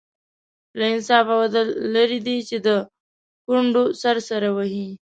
له انصاف او عدل لرې دی چې د کونډو سر سر وهي.